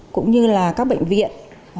cũng như là các bệnh viện